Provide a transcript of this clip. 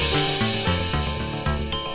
terima kasih banyak